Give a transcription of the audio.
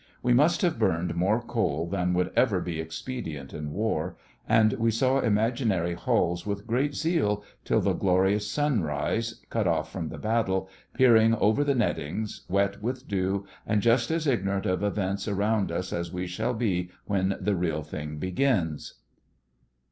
We must have burned more coal than would ever be expedient in War, and we saw imaginary hulls with great zeal till the glorious sunrise, cut off from the battle, peering over the nettings, wet with dew, and just as ignorant of events around us as we shall be when the Real Thing begins.